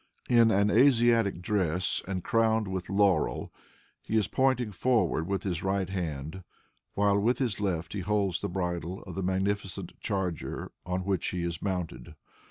In an Asiatic dress and crowned with laurel, he is pointing forward with his right hand, while with his left he holds the bridle of the magnificent charger on which he is mounted.